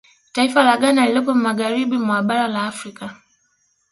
Taifa la Ghana lililopo magharibi mwa bara la Afrika